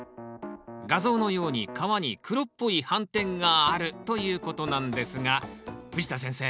画像のように皮に黒っぽい斑点があるということなんですが藤田先生